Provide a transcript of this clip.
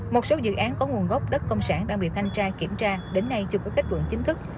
một số dự án có nguồn gốc đất công sản đang bị thanh tra kiểm tra đến nay chưa có kết luận chính thức